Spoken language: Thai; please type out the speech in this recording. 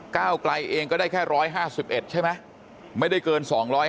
ก้าวไกลเองก็ได้แค่๑๕๑ใช่ไหมไม่ได้เกิน๒๕